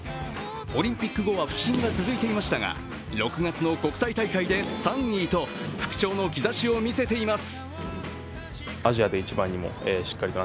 オリンピック後は不振が続いていましたが６月の国際大会で３位と復調の兆しを見せています。